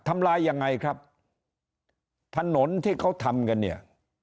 ทำลายยังไงครับถนนที่เขาทำกันเนี่ย